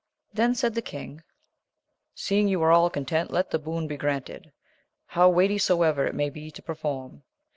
Then said the kmg, seeing you are all content, let the boon be granted, how weighty soever it may be to perform.